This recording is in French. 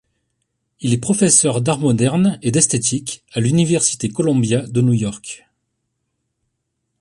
Il est professeur d'art moderne et d'esthétique à l'Université Columbia de New York.